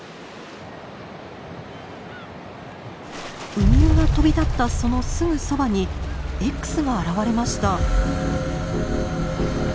ウミウが飛び立ったそのすぐそばにＸが現れました。